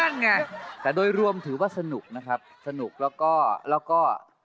นั่นไงแต่โดยรวมถือว่าสนุกนะครับสนุกแล้วก็